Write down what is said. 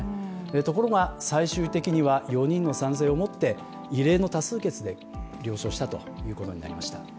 ところが最終的には４人の賛成をもって異例の多数決で了承したということになりました。